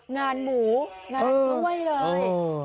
งานหมูงานกล้วยเลย